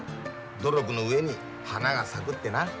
努力の上に花が咲くってな。